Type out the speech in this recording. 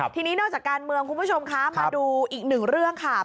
ทีนี้นอกจากการเมืองคุณผู้ชมคะมาดูอีกหนึ่งเรื่องค่ะ